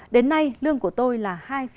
đến nay lương của tôi là hai sáu mươi sáu